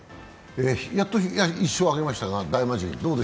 やっと１勝挙げましたが？